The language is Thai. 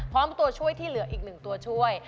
พร้อมตัวช่วยที่เหลืออีกหนึ่งตัวช่วย